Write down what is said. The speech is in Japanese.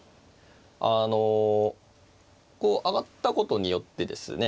あの上がったことによってですね